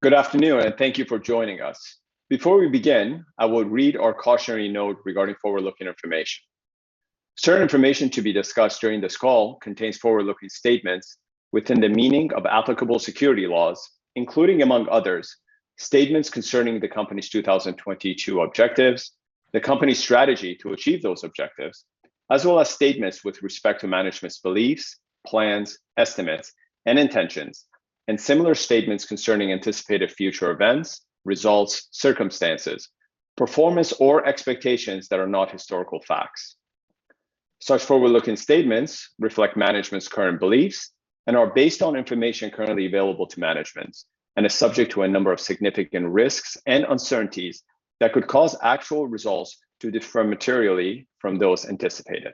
Good afternoon, and thank you for joining us. Before we begin, I will read our cautionary note regarding forward-looking information. Certain information to be discussed during this call contains forward-looking statements within the meaning of applicable securities laws, including, among others, statements concerning the company's 2022 objectives, the company's strategy to achieve those objectives, as well as statements with respect to management's beliefs, plans, estimates, and intentions, and similar statements concerning anticipated future events, results, circumstances, performance, or expectations that are not historical facts. Such forward-looking statements reflect management's current beliefs and are based on information currently available to management and are subject to a number of significant risks and uncertainties that could cause actual results to differ materially from those anticipated.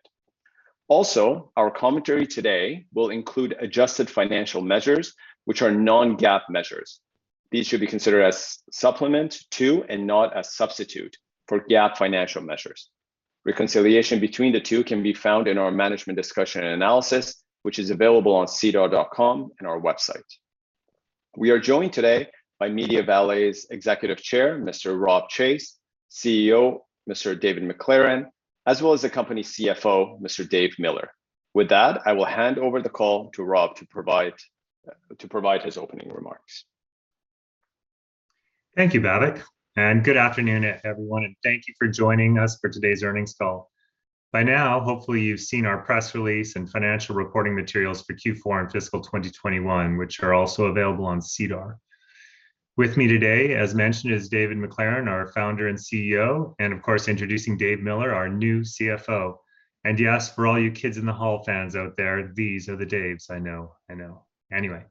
Also, our commentary today will include adjusted financial measures, which are non-GAAP measures. These should be considered as supplement to and not a substitute for GAAP financial measures. Reconciliation between the two can be found in our management discussion and analysis, which is available on sedar.com and our website. We are joined today by MediaValet's Executive Chair, Mr. Rob Chase, CEO, Mr. David MacLaren, as well as the company CFO, Mr. Dave Miller. With that, I will hand over the call to Rob to provide his opening remarks. Thank you, Babak, and good afternoon, everyone, and thank you for joining us for today's earnings call. By now, hopefully you've seen our press release and financial reporting materials for Q4 and fiscal 2021, which are also available on SEDAR. With me today, as mentioned, is David MacLaren, our founder and CEO, and of course, introducing Dave Miller, our new CFO. Yes, for all you Kids in the Hall fans out there, these are the Daves. I know, I know. Anyway,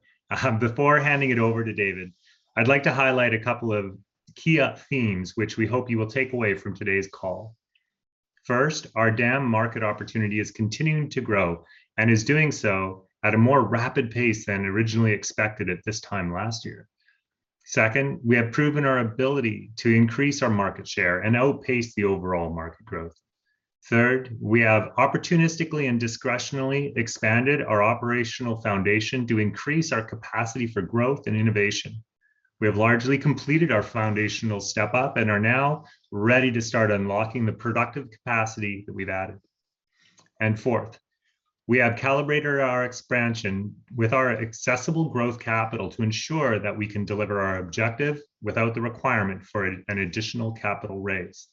before handing it over to David, I'd like to highlight a couple of key themes which we hope you will take away from today's call. First, our DAM market opportunity is continuing to grow and is doing so at a more rapid pace than originally expected at this time last year. Second, we have proven our ability to increase our market share and outpace the overall market growth. Third, we have opportunistically and discretionally expanded our operational foundation to increase our capacity for growth and innovation. We have largely completed our foundational step up and are now ready to start unlocking the productive capacity that we've added. Fourth, we have calibrated our expansion with our accessible growth capital to ensure that we can deliver our objective without the requirement for an additional capital raise.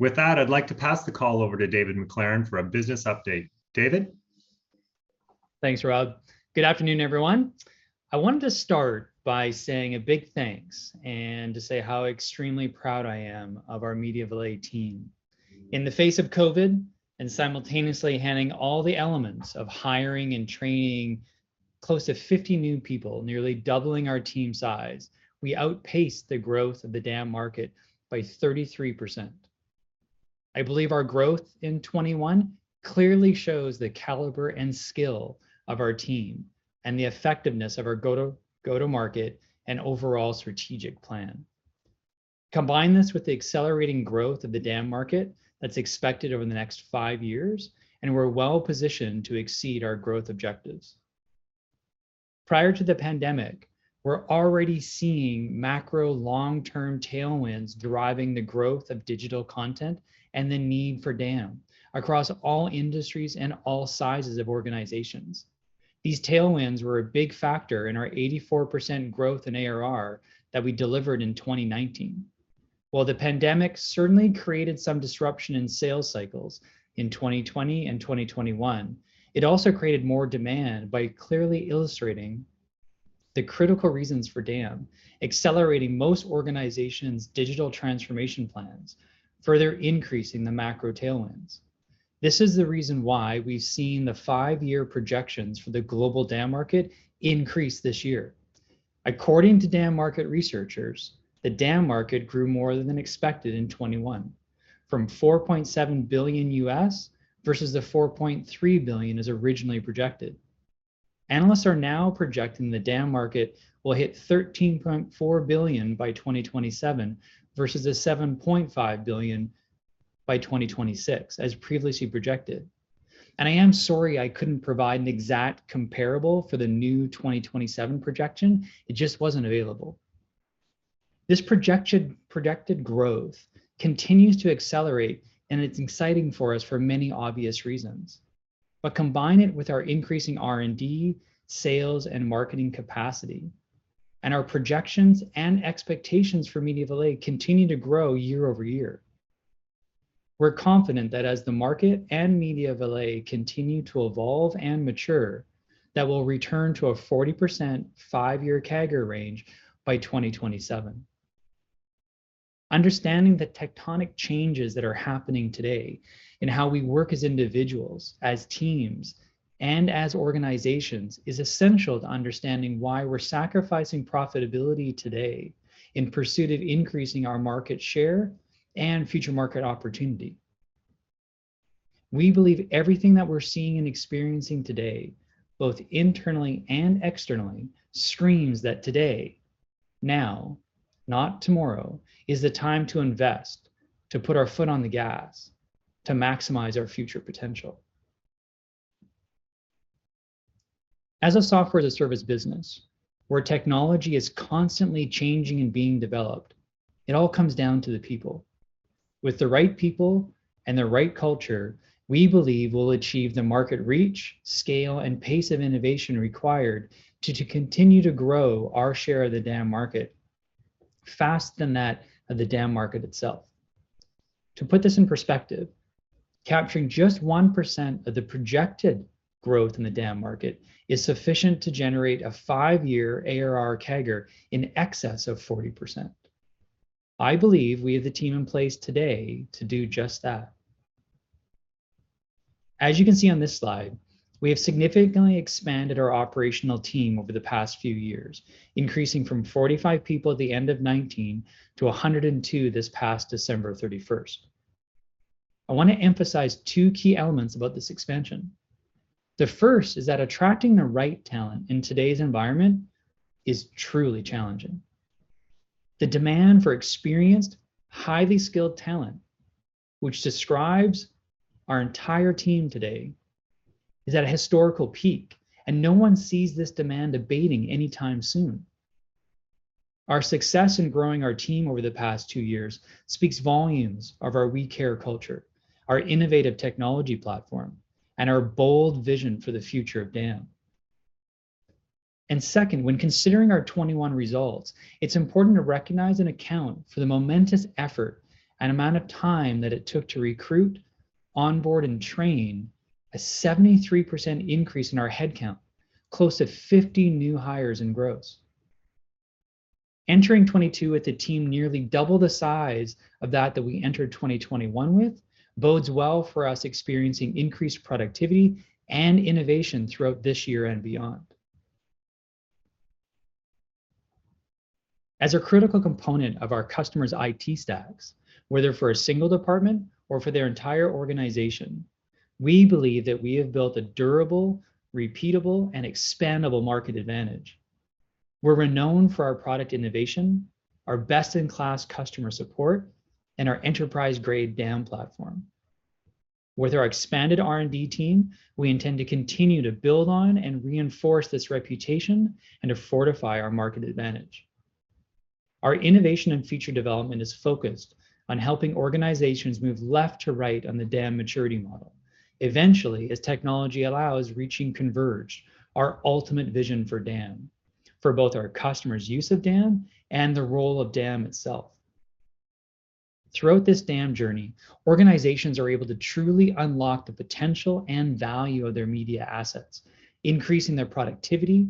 With that, I'd like to pass the call over to David MacLaren for a business update. David? Thanks, Rob. Good afternoon, everyone. I wanted to start by saying a big thanks and to say how extremely proud I am of our MediaValet team. In the face of COVID and simultaneously handling all the elements of hiring and training close to 50 new people, nearly doubling our team size, we outpaced the growth of the DAM market by 33%. I believe our growth in 2021 clearly shows the caliber and skill of our team and the effectiveness of our go-to-market and overall strategic plan. Combine this with the accelerating growth of the DAM market that's expected over the next five years, and we're well-positioned to exceed our growth objectives. Prior to the pandemic, we're already seeing macro long-term tailwinds driving the growth of digital content and the need for DAM across all industries and all sizes of organizations. These tailwinds were a big factor in our 84% growth in ARR that we delivered in 2019. While the pandemic certainly created some disruption in sales cycles in 2020 and 2021, it also created more demand by clearly illustrating the critical reasons for DAM, accelerating most organizations' digital transformation plans, further increasing the macro tailwinds. This is the reason why we've seen the five-year projections for the global DAM market increase this year. According to DAM market researchers, the DAM market grew more than expected in 2021, from $4.7 billion versus the $4.3 billion as originally projected. Analysts are now projecting the DAM market will hit $13.4 billion by 2027 versus the $7.5 billion by 2026 as previously projected. I am sorry I couldn't provide an exact comparable for the new 2027 projection. It just wasn't available. This projected growth continues to accelerate, and it's exciting for us for many obvious reasons. Combine it with our increasing R&D, sales, and marketing capacity, and our projections and expectations for MediaValet continue to grow year over year. We're confident that as the market and MediaValet continue to evolve and mature, that we'll return to a 40% five-year CAGR range by 2027. Understanding the tectonic changes that are happening today in how we work as individuals, as teams, and as organizations is essential to understanding why we're sacrificing profitability today in pursuit of increasing our market share and future market opportunity. We believe everything that we're seeing and experiencing today, both internally and externally, screams that today, now, not tomorrow, is the time to invest, to put our foot on the gas, to maximize our future potential. As a software-as-a-service business where technology is constantly changing and being developed, it all comes down to the people. With the right people and the right culture, we believe we'll achieve the market reach, scale, and pace of innovation required to continue to grow our share of the DAM market faster than that of the DAM market itself. To put this in perspective, capturing just 1% of the projected growth in the DAM market is sufficient to generate a five-year ARR CAGR in excess of 40%. I believe we have the team in place today to do just that. As you can see on this slide, we have significantly expanded our operational team over the past few years, increasing from 45 people at the end of 2019 to 102 this past December 31. I want to emphasize two key elements about this expansion. The first is that attracting the right talent in today's environment is truly challenging. The demand for experienced, highly skilled talent, which describes our entire team today, is at a historical peak, and no one sees this demand abating anytime soon. Our success in growing our team over the past two years speaks volumes of our we care culture, our innovative technology platform, and our bold vision for the future of DAM. Second, when considering our 2021 results, it's important to recognize and account for the momentous effort and amount of time that it took to recruit, onboard, and train a 73% increase in our headcount, close to 50 new hires in gross. Entering 2022 with a team nearly double the size of that we entered 2021 with bodes well for us experiencing increased productivity and innovation throughout this year and beyond. As a critical component of our customers' IT stacks, whether for a single department or for their entire organization, we believe that we have built a durable, repeatable, and expandable market advantage. We're renowned for our product innovation, our best-in-class customer support, and our enterprise-grade DAM platform. With our expanded R&D team, we intend to continue to build on and reinforce this reputation and to fortify our market advantage. Our innovation and feature development is focused on helping organizations move left to right on the DAM maturity model, eventually, as technology allows, reaching convergence, our ultimate vision for DAM, for both our customers' use of DAM and the role of DAM itself. Throughout this DAM journey, organizations are able to truly unlock the potential and value of their media assets, increasing their productivity,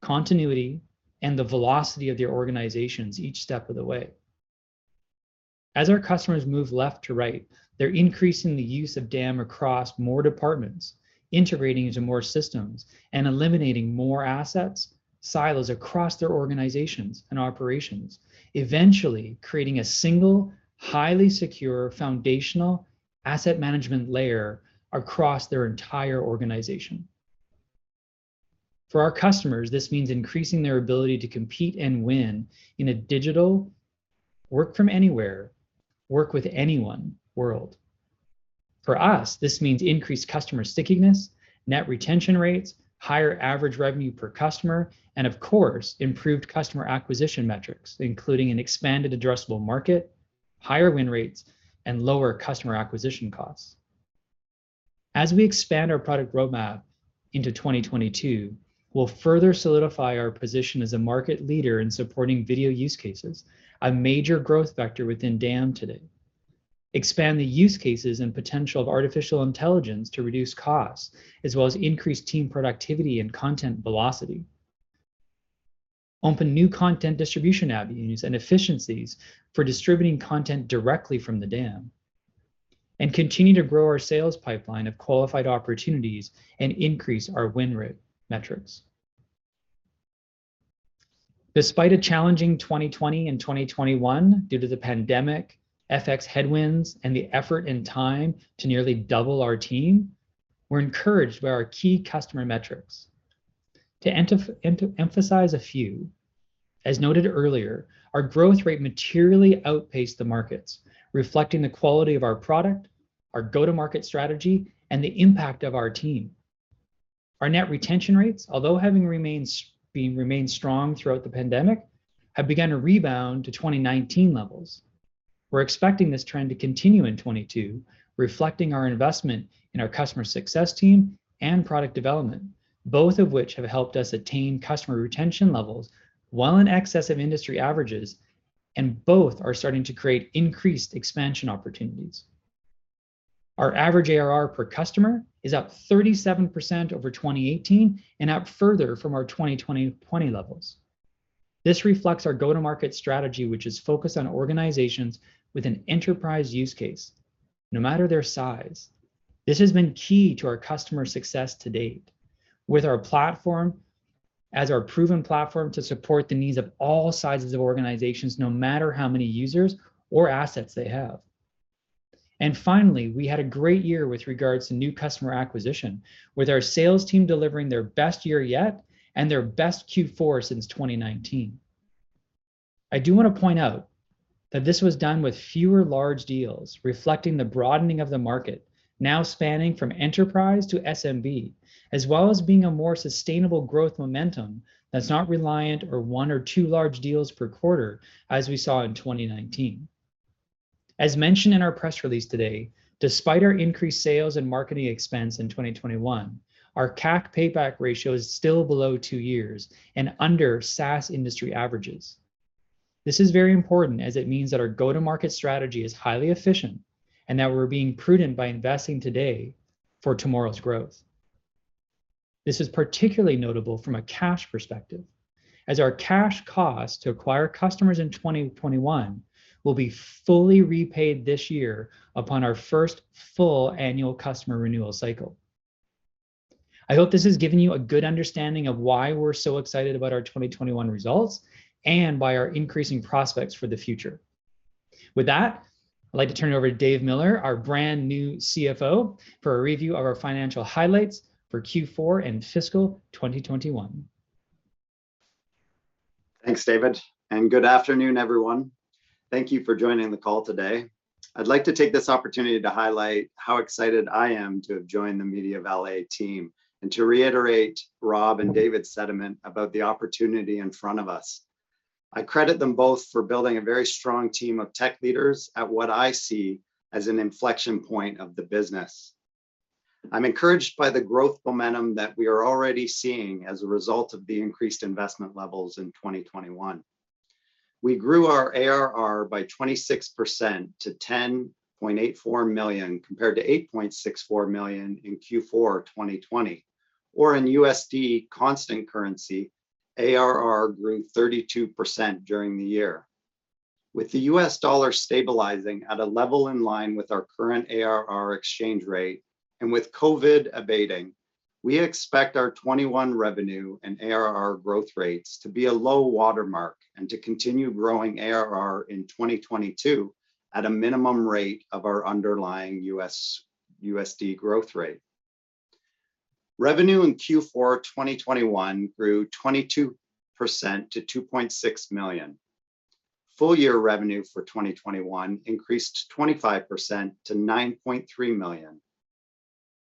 continuity, and the velocity of their organizations each step of the way. As our customers move left to right, they're increasing the use of DAM across more departments, integrating into more systems, and eliminating more asset silos across their organizations and operations, eventually creating a single, highly secure, foundational asset management layer across their entire organization. For our customers, this means increasing their ability to compete and win in a digital work-from-anywhere, work-with-anyone world. For us, this means increased customer stickiness, net retention rates, higher average revenue per customer, and of course, improved customer acquisition metrics, including an expanded addressable market, higher win rates, and lower customer acquisition costs. As we expand our product roadmap into 2022, we'll further solidify our position as a market leader in supporting video use cases, a major growth vector within DAM today. Expand the use cases and potential of artificial intelligence to reduce costs, as well as increase team productivity and content velocity. Open new content distribution avenues and efficiencies for distributing content directly from the DAM, and continue to grow our sales pipeline of qualified opportunities and increase our win rate metrics. Despite a challenging 2020 and 2021 due to the pandemic, FX headwinds, and the effort and time to nearly double our team, we're encouraged by our key customer metrics. To emphasize a few, as noted earlier, our growth rate materially outpaced the market's, reflecting the quality of our product, our go-to-market strategy, and the impact of our team. Our net retention rates, although having remained strong throughout the pandemic, have begun to rebound to 2019 levels. We're expecting this trend to continue in 2022, reflecting our investment in our customer success team and product development, both of which have helped us attain customer retention levels well in excess of industry averages, and both are starting to create increased expansion opportunities. Our average ARR per customer is up 37% over 2018 and up further from our 2020 levels. This reflects our go-to-market strategy, which is focused on organizations with an enterprise use case, no matter their size. This has been key to our customer success to date, with our platform as our proven platform to support the needs of all sizes of organizations, no matter how many users or assets they have. Finally, we had a great year with regards to new customer acquisition, with our sales team delivering their best year yet and their best Q4 since 2019. I do wanna point out that this was done with fewer large deals, reflecting the broadening of the market now spanning from enterprise to SMB, as well as being a more sustainable growth momentum that's not reliant on one or two large deals per quarter as we saw in 2019. As mentioned in our press release today, despite our increased sales and marketing expense in 2021, our CAC payback ratio is still below two years and under SaaS industry averages. This is very important as it means that our go-to-market strategy is highly efficient, and that we're being prudent by investing today for tomorrow's growth. This is particularly notable from a cash perspective, as our cash costs to acquire customers in 2021 will be fully repaid this year upon our first full annual customer renewal cycle. I hope this has given you a good understanding of why we're so excited about our 2021 results and by our increasing prospects for the future. With that, I'd like to turn it over to Dave Miller, our brand-new CFO, for a review of our financial highlights for Q4 and fiscal 2021. Thanks, David, and good afternoon, everyone. Thank you for joining the call today. I'd like to take this opportunity to highlight how excited I am to have joined the MediaValet team and to reiterate Rob and David's sentiment about the opportunity in front of us. I credit them both for building a very strong team of tech leaders at what I see as an inflection point of the business. I'm encouraged by the growth momentum that we are already seeing as a result of the increased investment levels in 2021. We grew our ARR by 26% to 10.84 million compared to 8.64 million in Q4 2020, or in USD constant currency, ARR grew 32% during the year. With the U.S. dollar stabilizing at a level in line with our current ARR exchange rate and with COVID abating, we expect our 2021 revenue and ARR growth rates to be a low watermark and to continue growing ARR in 2022 at a minimum rate of our underlying U.S.-USD growth rate. Revenue in Q4 2021 grew 22% to 2.6 million. Full-year revenue for 2021 increased 25% to 9.3 million.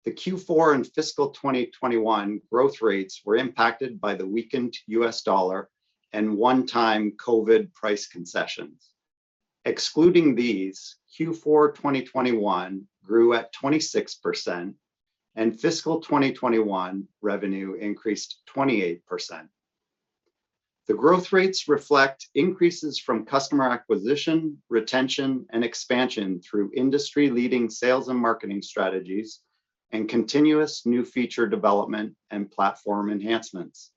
The Q4 and fiscal 2021 growth rates were impacted by the weakened U.S. dollar and one-time COVID price concessions. Excluding these, Q4 2021 grew at 26%, and fiscal 2021 revenue increased 28%. The growth rates reflect increases from customer acquisition, retention, and expansion through industry-leading sales and marketing strategies and continuous new feature development and platform enhancements.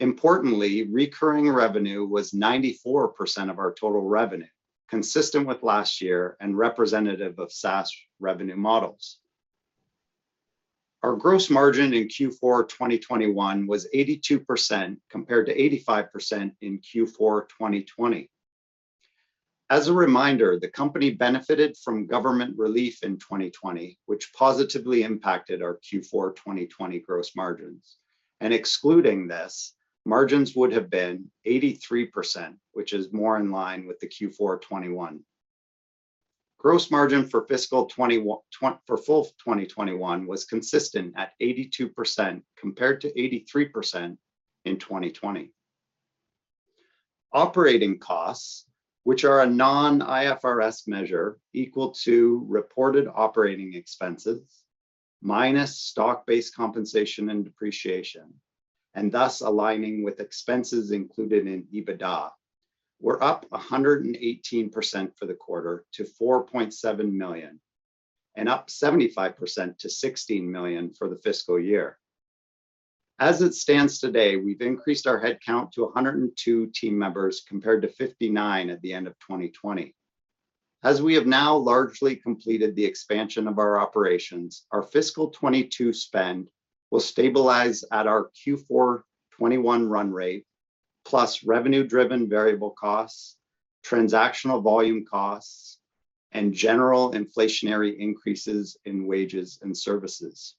Importantly, recurring revenue was 94% of our total revenue, consistent with last year and representative of SaaS revenue models. Our gross margin in Q4 2021 was 82% compared to 85% in Q4 2020. As a reminder, the company benefited from government relief in 2020, which positively impacted our Q4 2020 gross margins. Excluding this, margins would have been 83%, which is more in line with the Q4 2021. Gross margin for full 2021 was consistent at 82% compared to 83% in 2020. Operating costs, which are a non-IFRS measure equal to reported operating expenses minus stock-based compensation and depreciation, and thus aligning with expenses included in EBITDA, were up 118% for the quarter to 4.7 million and up 75% to 16 million for the fiscal year. As it stands today, we've increased our headcount to 102 team members compared to 59 at the end of 2020. As we have now largely completed the expansion of our operations, our fiscal 2022 spend will stabilize at our Q4 2021 run rate plus revenue-driven variable costs, transactional volume costs, and general inflationary increases in wages and services.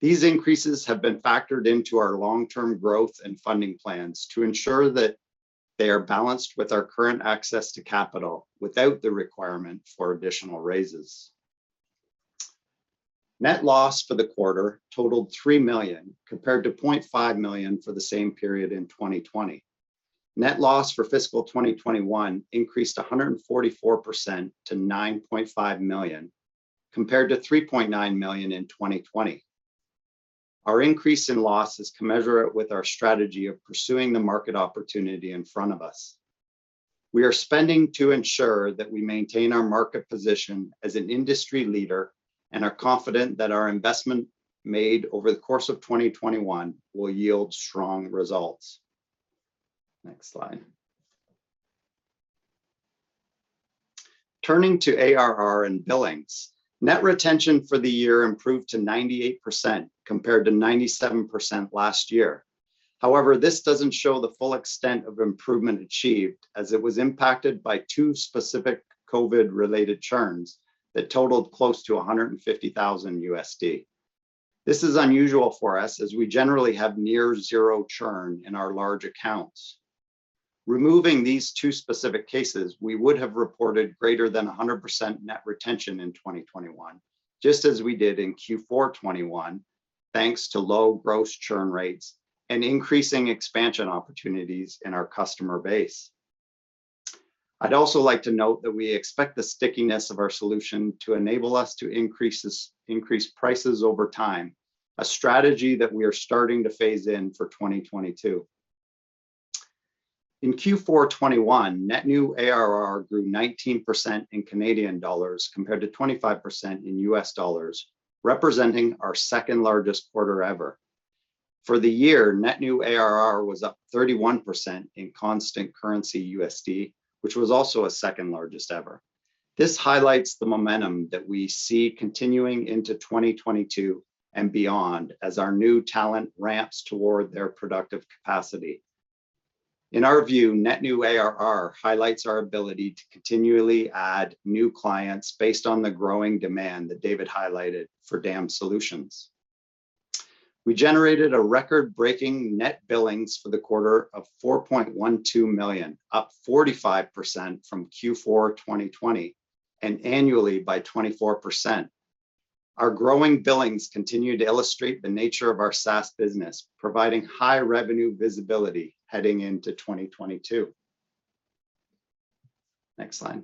These increases have been factored into our long-term growth and funding plans to ensure that they are balanced with our current access to capital without the requirement for additional raises. Net loss for the quarter totaled 3 million compared to 0.5 million for the same period in 2020. Net loss for fiscal 2021 increased 144% to 9.5 million, compared to 3.9 million in 2020. Our increase in loss is commensurate with our strategy of pursuing the market opportunity in front of us. We are spending to ensure that we maintain our market position as an industry leader and are confident that our investment made over the course of 2021 will yield strong results. Next slide. Turning to ARR and billings, net retention for the year improved to 98% compared to 97% last year. However, this doesn't show the full extent of improvement achieved as it was impacted by two specific COVID-related churns that totaled close to $150,000. This is unusual for us as we generally have near zero churn in our large accounts. Removing these two specific cases, we would have reported greater than 100% net retention in 2021 just as we did in Q4 2021, thanks to low gross churn rates and increasing expansion opportunities in our customer base. I'd also like to note that we expect the stickiness of our solution to enable us to increase this, increase prices over time, a strategy that we are starting to phase in for 2022. In Q4 2021, net new ARR grew 19% in Canadian dollars compared to 25% in U.S. dollars, representing our second-largest quarter ever. For the year, net new ARR was up 31% in constant currency USD, which was also a second-largest ever. This highlights the momentum that we see continuing into 2022 and beyond as our new talent ramps toward their productive capacity. In our view, net new ARR highlights our ability to continually add new clients based on the growing demand that David highlighted for DAM solutions. We generated a record-breaking net billings for the quarter of 4.12 million, up 45% from Q4 2020, and annually by 24%. Our growing billings continue to illustrate the nature of our SaaS business, providing high revenue visibility heading into 2022. Next slide.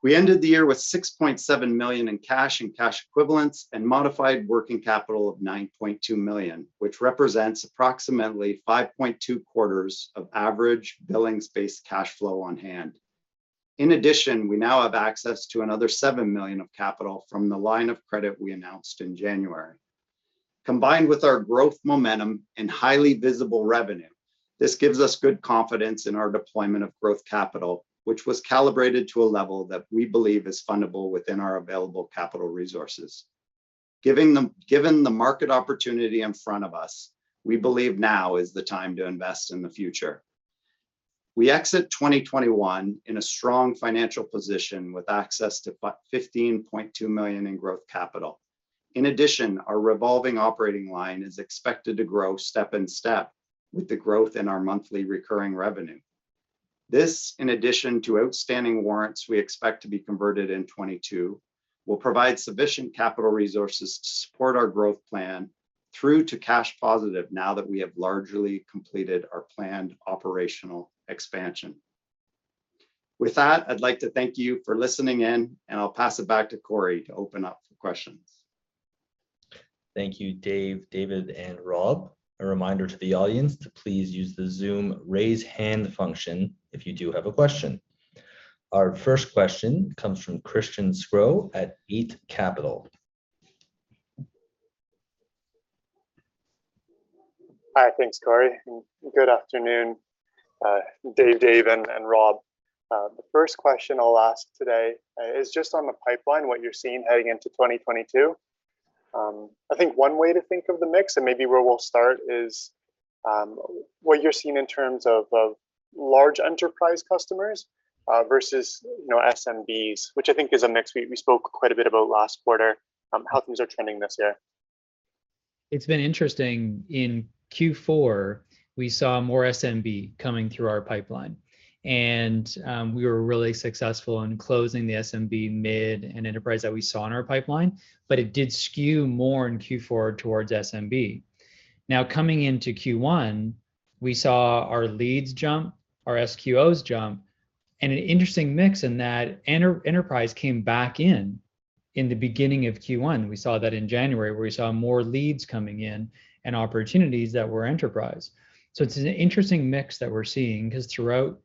We ended the year with 6.7 million in cash and cash equivalents and modified working capital of 9.2 million, which represents approximately 5.2 quarters of average billings-based cash flow on hand. In addition, we now have access to another 7 million of capital from the line of credit we announced in January. Combined with our growth momentum and highly visible revenue, this gives us good confidence in our deployment of growth capital, which was calibrated to a level that we believe is fundable within our available capital resources. Given the market opportunity in front of us, we believe now is the time to invest in the future. We exit 2021 in a strong financial position with access to 15.2 million in growth capital. In addition, our revolving operating line is expected to grow step by step with the growth in our monthly recurring revenue. This, in addition to outstanding warrants we expect to be converted in 2022, will provide sufficient capital resources to support our growth plan through to cash positive now that we have largely completed our planned operational expansion. With that, I'd like to thank you for listening in, and I'll pass it back to Corey to open up for questions. Thank you, Dave, David, and Rob. A reminder to the audience to please use the Zoom raise hand function if you do have a question. Our first question comes from Christian Sgro at Eight Capital. Hi. Thanks, Corey, and good afternoon, Dave, Dave, and Rob. The first question I'll ask today is just on the pipeline, what you're seeing heading into 2022. I think one way to think of the mix, and maybe where we'll start, is what you're seeing in terms of large enterprise customers versus, you know, SMBs, which I think is a mix we spoke quite a bit about last quarter, how things are trending this year. It's been interesting. In Q4, we saw more SMB coming through our pipeline, and we were really successful in closing the SMB, mid, and enterprise that we saw in our pipeline, but it did skew more in Q4 towards SMB. Now, coming into Q1, we saw our leads jump, our SQOs jump, and an interesting mix in that enterprise came back in the beginning of Q1. We saw that in January, where we saw more leads coming in and opportunities that were enterprise. It's an interesting mix that we're seeing, because throughout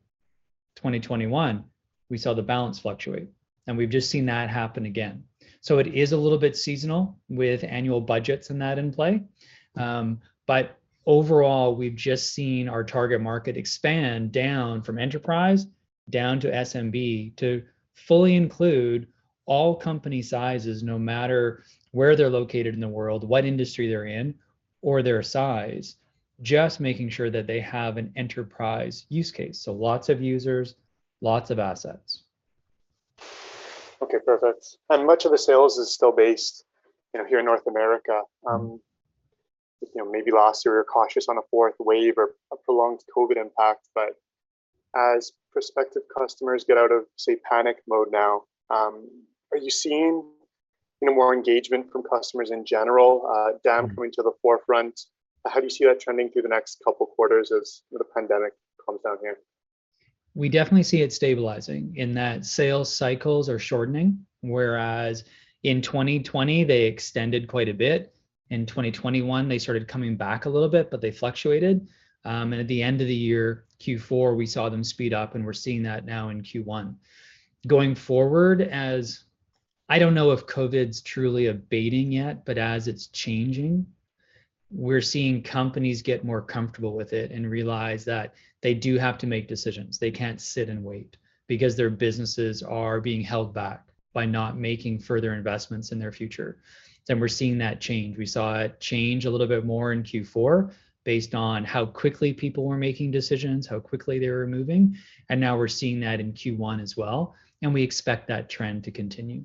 2021, we saw the balance fluctuate, and we've just seen that happen again. It is a little bit seasonal with annual budgets and that in play. Overall, we've just seen our target market expand down from enterprise to SMB to fully include all company sizes, no matter where they're located in the world, what industry they're in, or their size, just making sure that they have an enterprise use case. Lots of users, lots of assets. Okay, perfect. Much of the sales is still based, you know, here in North America. You know, maybe last year you were cautious on a fourth wave or a prolonged COVID impact, but as prospective customers get out of, say, panic mode now, are you seeing, you know, more engagement from customers in general, DAM coming to the forefront? How do you see that trending through the next couple quarters as the pandemic calms down here? We definitely see it stabilizing in that sales cycles are shortening, whereas in 2020 they extended quite a bit. In 2021, they started coming back a little bit, but they fluctuated. At the end of the year, Q4, we saw them speed up, and we're seeing that now in Q1. Going forward, I don't know if COVID's truly abating yet, but as it's changing, we're seeing companies get more comfortable with it and realize that they do have to make decisions. They can't sit and wait, because their businesses are being held back by not making further investments in their future. We're seeing that change. We saw it change a little bit more in Q4 based on how quickly people were making decisions, how quickly they were moving, and now we're seeing that in Q1 as well, and we expect that trend to continue.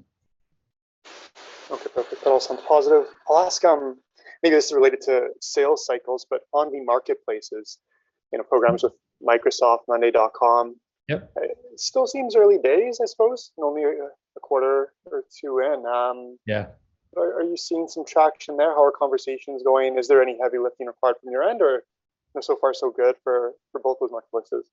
Okay, perfect. That all sounds positive. I'll ask, maybe this is related to sales cycles, but on the marketplaces, you know, programs with Microsoft, monday.com Yep. It still seems early days, I suppose. Only a quarter or two in. Yeah Are you seeing some traction there? How are conversations going? Is there any heavy lifting required from your end, or so far so good for both those marketplaces?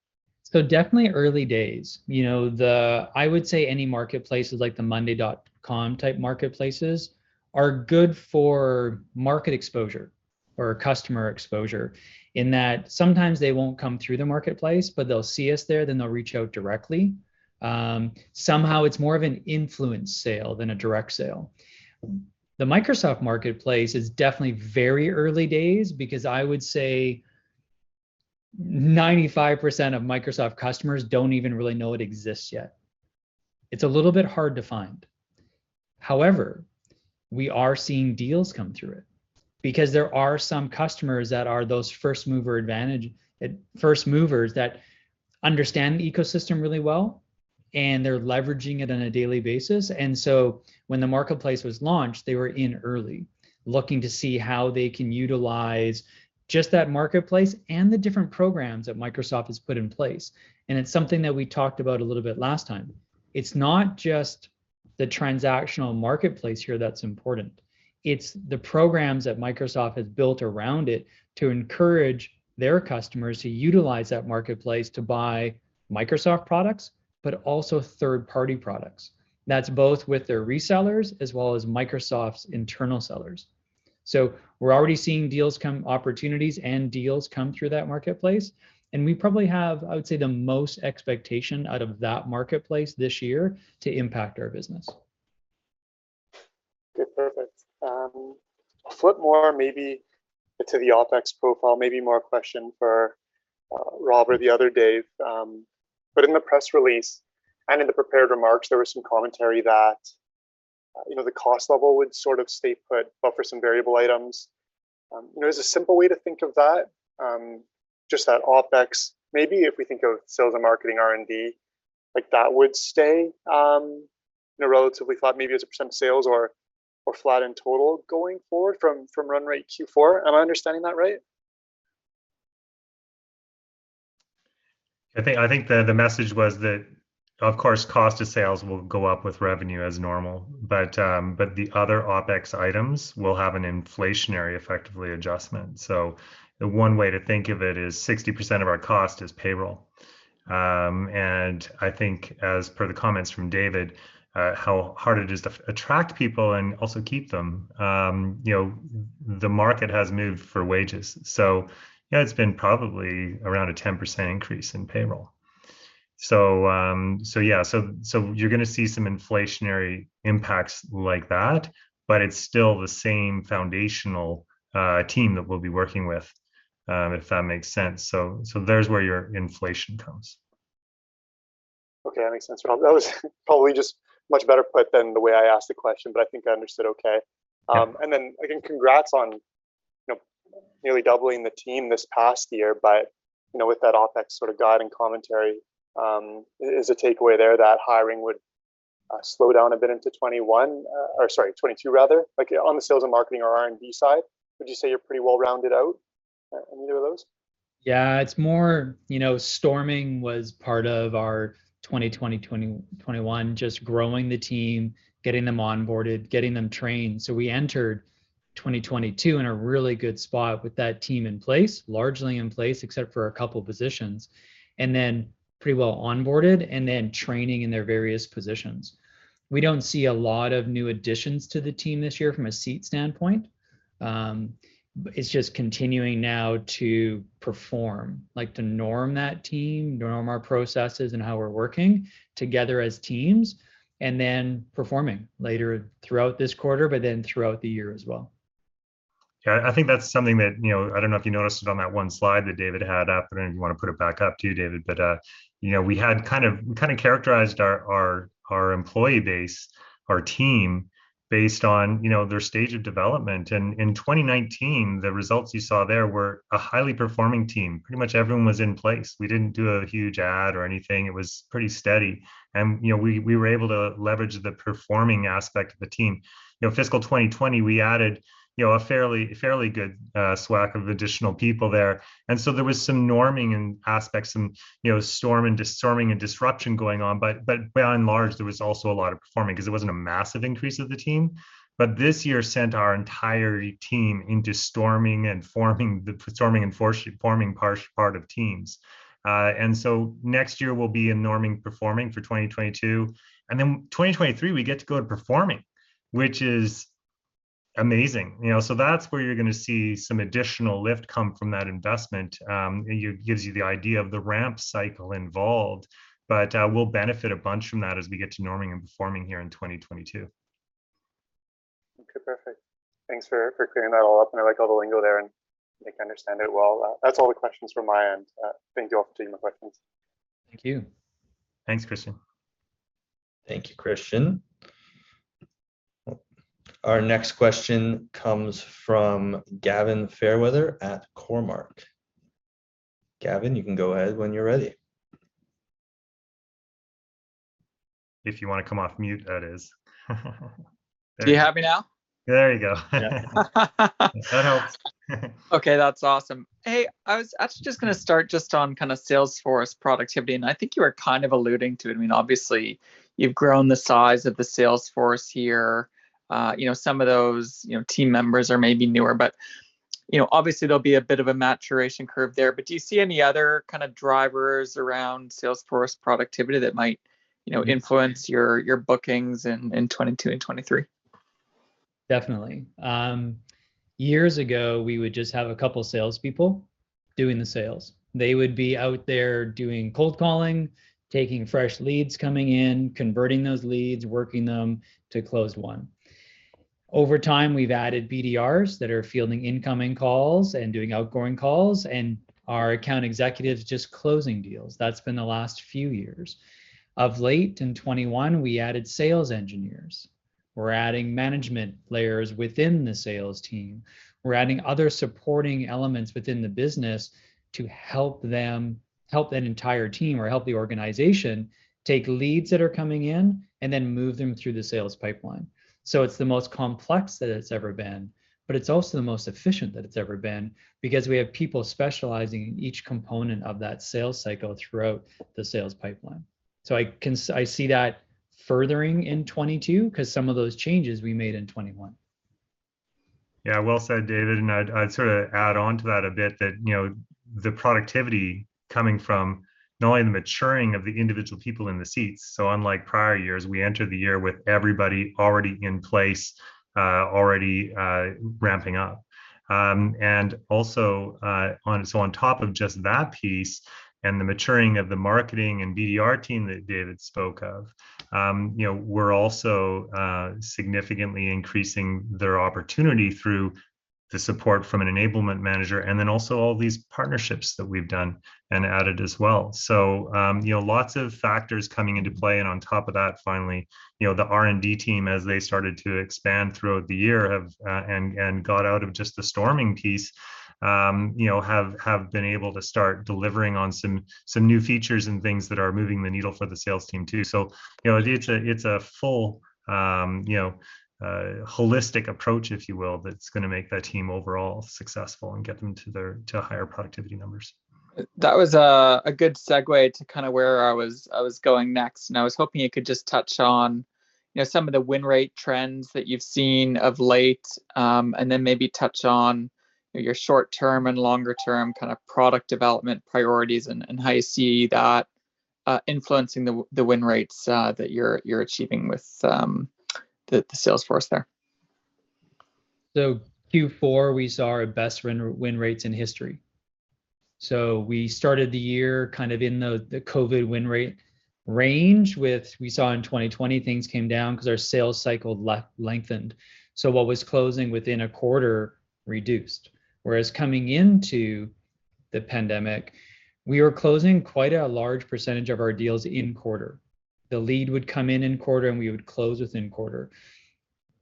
Definitely early days. You know, I would say any marketplaces, like the monday.com-type marketplaces, are good for market exposure or customer exposure in that sometimes they won't come through the marketplace, but they'll see us there, then they'll reach out directly. Somehow it's more of an influence sale than a direct sale. The Microsoft marketplace is definitely very early days because I would say 95% of Microsoft customers don't even really know it exists yet. It's a little bit hard to find. However, we are seeing deals come through it because there are some customers that are those first mover advantage, first movers that understand the ecosystem really well, and they're leveraging it on a daily basis. When the marketplace was launched, they were in early looking to see how they can utilize just that marketplace and the different programs that Microsoft has put in place, and it's something that we talked about a little bit last time. It's not just the transactional marketplace here that's important, it's the programs that Microsoft has built around it to encourage their customers to utilize that marketplace to buy Microsoft products, but also third-party products. That's both with their resellers as well as Microsoft's internal sellers. We're already seeing deals and opportunities come through that marketplace, and we probably have, I would say, the most expectation out of that marketplace this year to impact our business. Good. Perfect. I'll flip more maybe to the OpEx profile. Maybe more a question for Rob or the other Dave. In the press release and in the prepared remarks, there was some commentary that, you know, the cost level would sort of stay put, but for some variable items. You know, as a simple way to think of that, just that OpEx, maybe if we think of sales and marketing R&D, like, that would stay, you know, relatively flat maybe as a percent of sales or flat in total going forward from run rate Q4. Am I understanding that right? I think the message was that, of course, cost of sales will go up with revenue as normal, but the other OpEx items will have an inflationary effectively adjustment. The one way to think of it is 60% of our cost is payroll. I think, as per the comments from David, how hard it is to attract people and also keep them. You know, the market has moved for wages. Yeah, it's been probably around a 10% increase in payroll. Yeah. You're gonna see some inflationary impacts like that, but it's still the same foundational team that we'll be working with, if that makes sense. There's where your inflation comes. Okay, that makes sense, Rob. That was probably just much better put than the way I asked the question, but I think I understood okay. Yeah. Congrats on, you know, nearly doubling the team this past year. You know, with that OpEx sort of guide and commentary, is the takeaway there that hiring would slow down a bit into 2021, or sorry, 2022 rather? Like, on the sales and marketing or R&D side, would you say you're pretty well rounded out on either of those? Yeah, it's more, you know, storming was part of our 2020, 2021, just growing the team, getting them onboarded, getting them trained. We entered 2022 in a really good spot with that team in place, largely in place except for a couple positions, pretty well onboarded and then training in their various positions. We don't see a lot of new additions to the team this year from a seat standpoint. It's just continuing now to perform, like, to norm that team, norm our processes and how we're working together as teams, and then performing later throughout this quarter, but then throughout the year as well. Yeah, I think that's something that, you know, I don't know if you noticed it on that one slide that David had up, and if you wanna put it back up too, David. You know, we kind of characterized our employee base, our team based on, you know, their stage of development. In 2019, the results you saw there were a highly performing team. Pretty much everyone was in place. We didn't do a huge add or anything. It was pretty steady. You know, we were able to leverage the performing aspect of the team. You know, fiscal 2020, we added, you know, a fairly good swath of additional people there, and so there was some norming in aspects and, you know, storming, distorming, and disruption going on. By and large, there was also a lot of performing 'cause it wasn't a massive increase of the team. This year sent our entire team into storming and forming part of teams. Next year we'll be in norming, performing for 2022, and then 2023, we get to go to performing, which is amazing. You know? That's where you're gonna see some additional lift come from that investment. It gives you the idea of the ramp cycle involved. We'll benefit a bunch from that as we get to norming and performing here in 2022. Okay, perfect. Thanks for clearing that all up, and I like all the lingo there and make you understand it well. That's all the questions from my end. Thank you all for taking the questions. Thank you. Thanks, Christian. Thank you, Christian. Our next question comes from Gavin Fairweather at Cormark. Gavin, you can go ahead when you're ready. If you wanna come off mute, that is. Do you have me now? There you go. Yeah. That helps. Okay, that's awesome. Hey, I was actually just gonna start just on kinda salesforce productivity, and I think you were kind of alluding to it. I mean, obviously you've grown the size of the salesforce here. You know, some of those, you know, team members are maybe newer, but, you know, obviously there'll be a bit of a maturation curve there. Do you see any other kinda drivers around salesforce productivity that might, you know, influence your bookings in 2022 and 2023? Definitely. Years ago, we would just have a couple salespeople doing the sales. They would be out there doing cold calling, taking fresh leads coming in, converting those leads, working them to close won. Over time, we've added BDRs that are fielding incoming calls and doing outgoing calls, and our account executives just closing deals. That's been the last few years. Of late, in 2021, we added sales engineers. We're adding management layers within the sales team. We're adding other supporting elements within the business to help them, help that entire team or help the organization take leads that are coming in and then move them through the sales pipeline. It's the most complex that it's ever been, but it's also the most efficient that it's ever been because we have people specializing in each component of that sales cycle throughout the sales pipeline. I see that furthering in 2022 'cause some of those changes we made in 2021. Yeah, well said, David. I'd sorta add onto that a bit that, you know, the productivity coming from not only the maturing of the individual people in the seats, so unlike prior years, we enter the year with everybody already in place, already ramping up. And also on top of just that piece and the maturing of the marketing and BDR team that David spoke of, you know, we're also significantly increasing their opportunity through the support from an enablement manager and then also all these partnerships that we've done and added as well. You know, lots of factors coming into play, and on top of that, finally, you know, the R&D team, as they started to expand throughout the year, have and got out of just the storming piece, you know, have been able to start delivering on some new features and things that are moving the needle for the sales team too. You know, it's a full, you know, holistic approach, if you will, that's gonna make that team overall successful and get them to higher productivity numbers. That was a good segue to kinda where I was going next, and I was hoping you could just touch on, you know, some of the win rate trends that you've seen of late, and then maybe touch on, you know, your short-term and longer-term kinda product development priorities and how you see that influencing the win rates that you're achieving with the salesforce there. Q4, we saw our best win rates in history. We started the year kind of in the COVID win rate range. We saw in 2020 things came down 'cause our sales cycle lengthened, so what was closing within a quarter reduced. Whereas coming into the pandemic, we were closing quite a large percentage of our deals in quarter. The lead would come in in quarter, and we would close within quarter.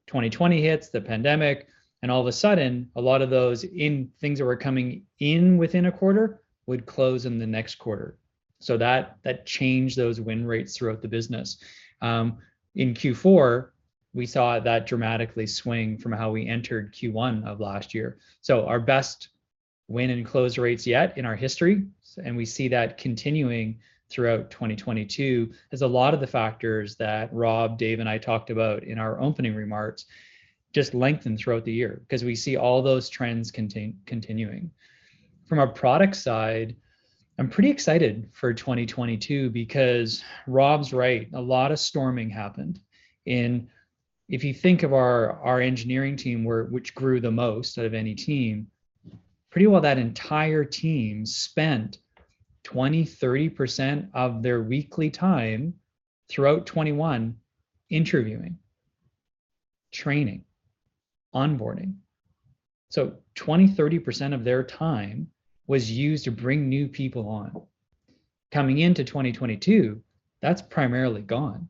2020 hits, the pandemic, and all of a sudden, a lot of those things that were coming in within a quarter would close in the next quarter, so that changed those win rates throughout the business. In Q4, we saw that dramatically swing from how we entered Q1 of last year, so our best win and close rates yet in our history, and we see that continuing throughout 2022, as a lot of the factors that Rob, Dave, and I talked about in our opening remarks just lengthened throughout the year 'cause we see all those trends continuing. From a product side, I'm pretty excited for 2022 because Rob's right. A lot of storming happened in our engineering team, which grew the most out of any team. Pretty well that entire team spent 20%-30% of their weekly time throughout 2021 interviewing, training, onboarding. 20%-30% of their time was used to bring new people on. Coming into 2022, that's primarily gone.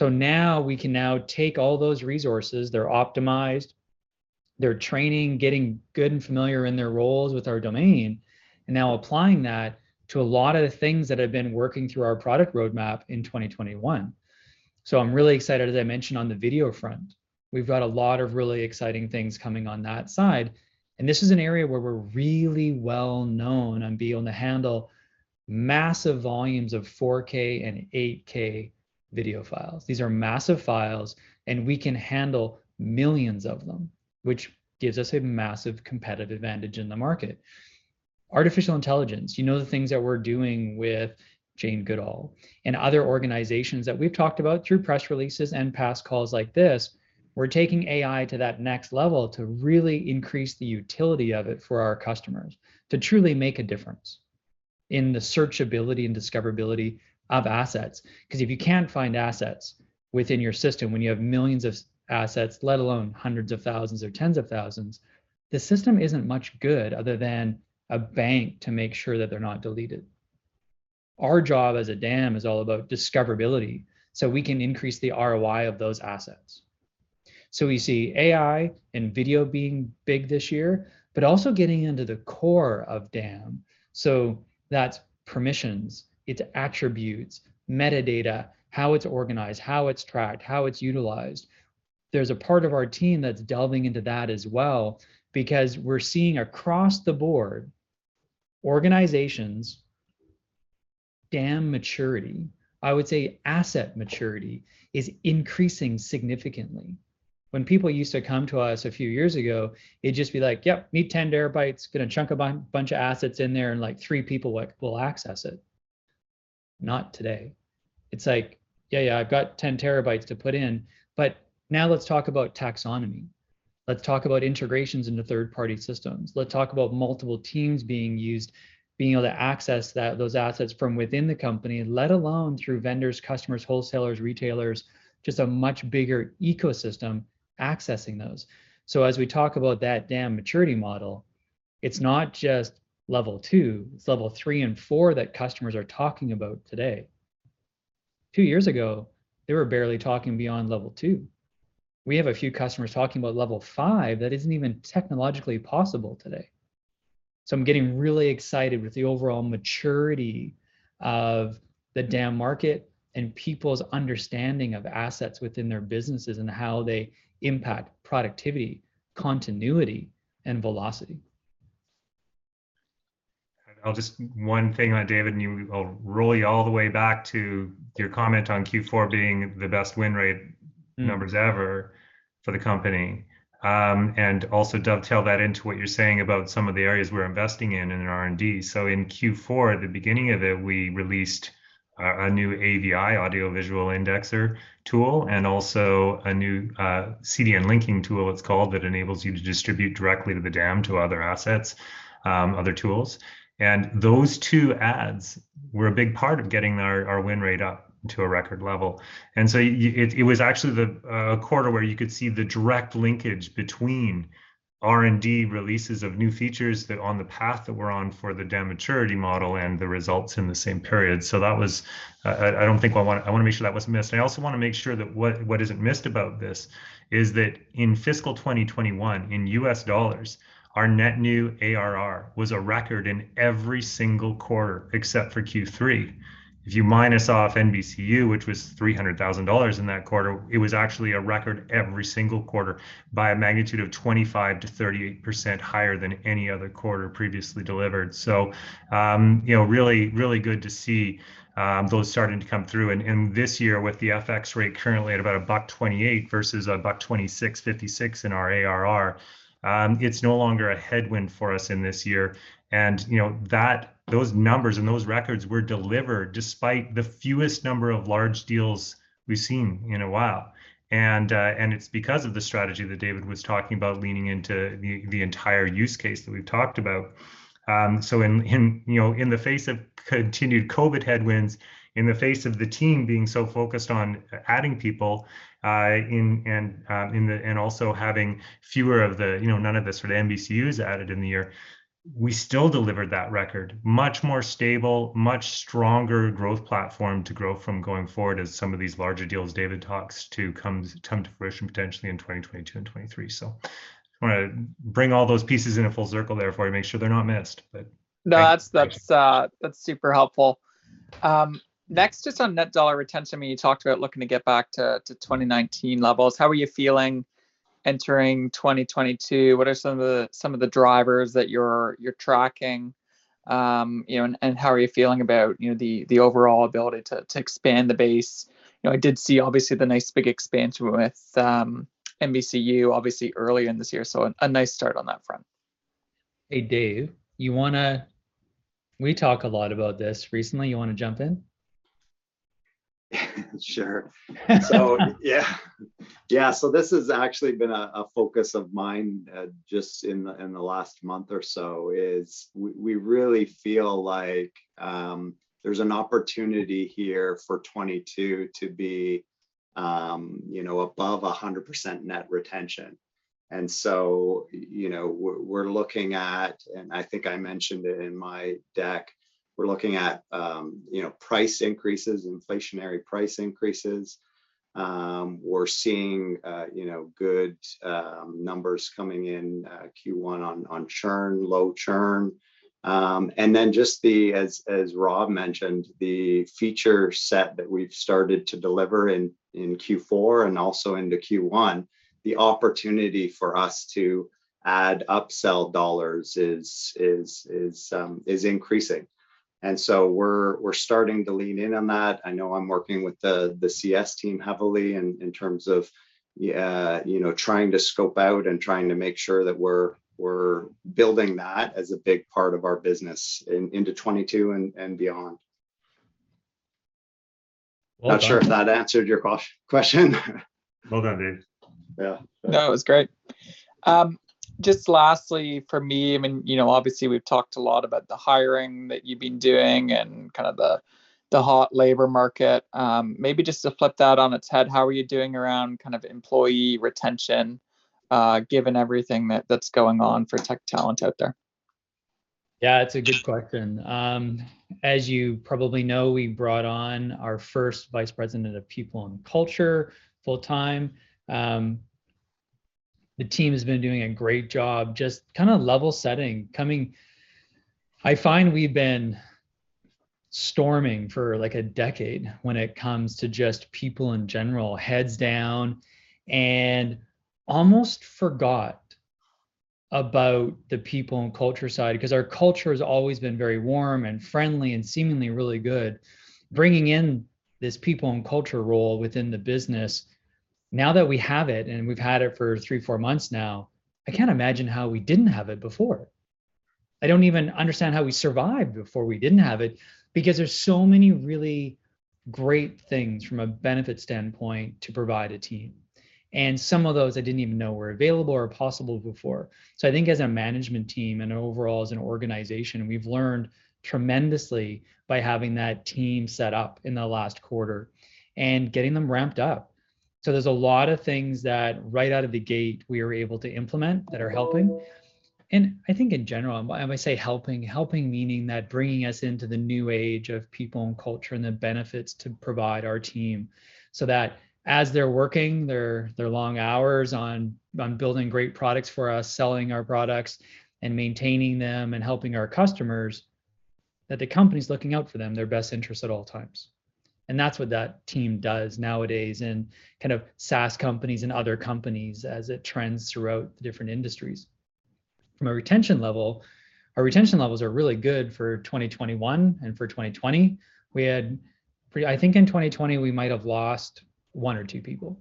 Now we can take all those resources, they're optimized, they're training, getting good and familiar in their roles with our domain, and now applying that to a lot of the things that have been working through our product roadmap in 2021. I'm really excited, as I mentioned, on the video front. We've got a lot of really exciting things coming on that side, and this is an area where we're really well known on being able to handle massive volumes of 4K and 8K video files. These are massive files, and we can handle millions of them, which gives us a massive competitive advantage in the market. Artificial intelligence, you know, the things that we're doing with Jane Goodall and other organizations that we've talked about through press releases and past calls like this, we're taking AI to that next level to really increase the utility of it for our customers, to truly make a difference in the searchability and discoverability of assets. 'Cause if you can't find assets within your system when you have millions of assets, let alone hundreds of thousands or tens of thousands, the system isn't much good other than a bank to make sure that they're not deleted. Our job as a DAM is all about discoverability, so we can increase the ROI of those assets. We see AI and video being big this year, but also getting into the core of DAM. That's permissions, it's attributes, metadata, how it's organized, how it's tracked, how it's utilized. There's a part of our team that's delving into that as well because we're seeing across the board organizations' DAM maturity, I would say asset maturity, is increasing significantly. When people used to come to us a few years ago, it'd just be like, "Yep, need 10 terabytes. Gonna chunk a bunch of assets in there, and, like, three people, like, will access it." Not today. It's like, "Yeah, yeah, I've got 10 terabytes to put in, but now let's talk about taxonomy. Let's talk about integrations into third-party systems. Let's talk about multiple teams being used, being able to access that, those assets from within the company, let alone through vendors, customers, wholesalers, retailers," just a much bigger ecosystem accessing those. As we talk about that DAM maturity model, it's not just level two, it's level three and four that customers are talking about today. Two years ago, they were barely talking beyond level two. We have a few customers talking about level five that isn't even technologically possible today. I'm getting really excited with the overall maturity of the DAM market and people's understanding of assets within their businesses and how they impact productivity, continuity, and velocity. One thing that, David, and you, I'll roll you all the way back to your comment on Q4 being the best win rate numbers ever. Mm.... for the company, and also dovetail that into what you're saying about some of the areas we're investing in R&D. In Q4, at the beginning of it, we released a new AVI, audio-visual indexer tool, and also a new CDN linking tool, it's called, that enables you to distribute directly to the DAM to other assets, other tools, and those two adds were a big part of getting our win rate up to a record level. It was actually the quarter where you could see the direct linkage between R&D releases of new features that, on the path that we're on for the DAM maturity model and the results in the same period. That was. I don't think I wanna. I wanna make sure that wasn't missed. I also wanna make sure that what isn't missed about this is that in fiscal 2021, in U.S. dollars, our net new ARR was a record in every single quarter except for Q3. If you minus off NBCU, which was $300,000 in that quarter, it was actually a record every single quarter by a magnitude of 25%-30% higher than any other quarter previously delivered. You know, really good to see those starting to come through. This year, with the FX rate currently at about 1.28 versus 1.2656 in our ARR, it's no longer a headwind for us in this year. You know, those numbers and those records were delivered despite the fewest number of large deals we've seen in a while. It's because of the strategy that David was talking about leaning into the entire use case that we've talked about. In the face of continued COVID headwinds, in the face of the team being so focused on adding people, and also having fewer of the, you know, none of the sort of NBCUs added in the year, we still delivered that record much more stable, much stronger growth platform to grow from going forward as some of these larger deals David talks to come to fruition potentially in 2022 and 2023. Wanna bring all those pieces in a full circle there for you, make sure they're not missed. Thank you. No, that's super helpful. Next, just on net dollar retention, I mean, you talked about looking to get back to 2019 levels. How are you feeling entering 2022? What are some of the drivers that you're tracking? You know, how are you feeling about, you know, the overall ability to expand the base? You know, I did see, obviously, the nice big expansion with NBCU obviously early in this year, so a nice start on that front. Hey, Dave, we talk a lot about this recently. You wanna jump in? Sure. This has actually been a focus of mine just in the last month or so. We really feel like there's an opportunity here for 2022 to be, you know, above 100% net retention. You know, we're looking at, and I think I mentioned it in my deck, we're looking at, you know, price increases, inflationary price increases. We're seeing, you know, good numbers coming in Q1 on churn, low churn. Then just as Rob mentioned, the feature set that we've started to deliver in Q4 and also into Q1, the opportunity for us to add upsell dollars is increasing. We're starting to lean in on that. I know I'm working with the CS team heavily in terms of, you know, trying to scope out and trying to make sure that we're building that as a big part of our business into 2022 and beyond. Well done. Not sure if that answered your question. Well done, Dave. Yeah. No, it was great. Just lastly for me, I mean, you know, obviously we've talked a lot about the hiring that you've been doing and kind of the hot labor market. Maybe just to flip that on its head, how are you doing around kind of employee retention, given everything that's going on for tech talent out there? Yeah, it's a good question. As you probably know, we brought on our first Vice President of People and Culture full-time. The team has been doing a great job just kinda level setting, I find we've been storming for, like, a decade when it comes to just people in general, heads down, and almost forgot about the people and culture side because our culture has always been very warm and friendly and seemingly really good. Bringing in this people and culture role within the business, now that we have it, and we've had it for three, four months now, I can't imagine how we didn't have it before. I don't even understand how we survived before we didn't have it because there's so many really great things from a benefit standpoint to provide a team, and some of those I didn't even know were available or possible before. I think as a management team and overall as an organization, we've learned tremendously by having that team set up in the last quarter and getting them ramped up. There's a lot of things that right out of the gate we were able to implement that are helping. I think in general, and when I say helping meaning that bringing us into the new age of people and culture and the benefits to provide our team so that as they're working their long hours on building great products for us, selling our products, and maintaining them and helping our customers, that the company's looking out for them, their best interest at all times. That's what that team does nowadays and kind of SaaS companies and other companies as it trends throughout the different industries. From a retention level, our retention levels are really good for 2021 and for 2020. I think in 2020 we might have lost one or two people.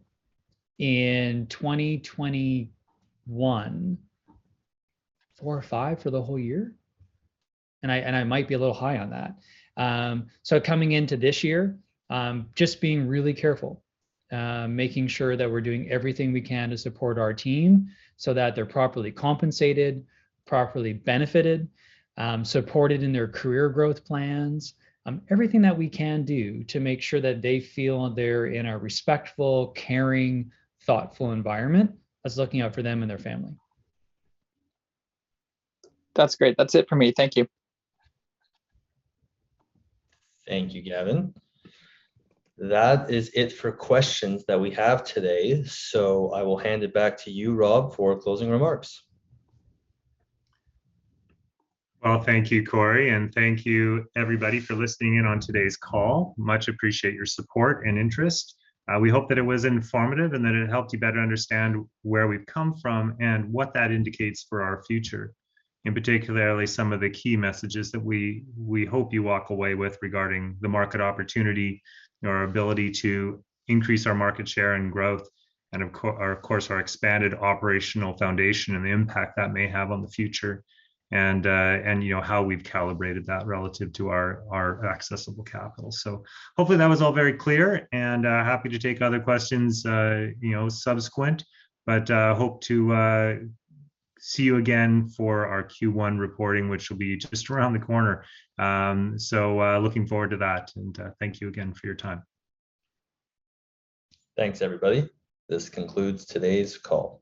In 2021, four or five for the whole year, and I might be a little high on that. Coming into this year, just being really careful, making sure that we're doing everything we can to support our team so that they're properly compensated, properly benefited, supported in their career growth plans. Everything that we can do to make sure that they feel they're in a respectful, caring, thoughtful environment that's looking out for them and their family. That's great. That's it for me. Thank you. Thank you, Gavin. That is it for questions that we have today, so I will hand it back to you, Rob, for closing remarks. Well, thank you, Corey, and thank you, everybody for listening in on today's call. Much appreciate your support and interest. We hope that it was informative and that it helped you better understand where we've come from and what that indicates for our future, and particularly some of the key messages that we hope you walk away with regarding the market opportunity, our ability to increase our market share and growth, and of course, our expanded operational foundation and the impact that may have on the future and you know, how we've calibrated that relative to our accessible capital. Hopefully that was all very clear, and happy to take other questions you know subsequent. Hope to see you again for our Q1 reporting, which will be just around the corner. Looking forward to that, and thank you again for your time. Thanks, everybody. This concludes today's call.